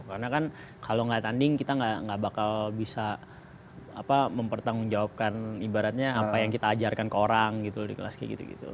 karena kan kalau nggak tanding kita nggak bakal bisa mempertanggungjawabkan ibaratnya apa yang kita ajarkan ke orang gitu di kelas kayak gitu